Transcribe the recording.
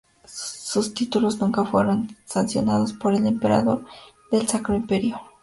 Sus títulos nunca fueron sancionados por el emperador del Sacro Imperio.